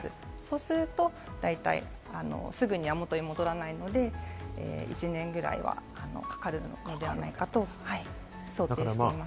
そうすると大体、すぐには元に戻らないので、１年くらいはかかるのではないかと想定しています。